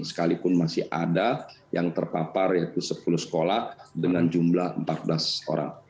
sekalipun masih ada yang terpapar yaitu sepuluh sekolah dengan jumlah empat belas orang